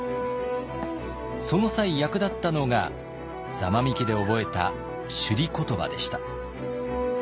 その際役立ったのが座間味家で覚えた首里言葉でした。